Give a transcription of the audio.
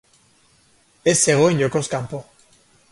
Ez zegoen jokoz kanpo.